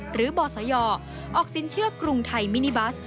หรือบศยออกสินเชื่อกรุงไทยมินิบัส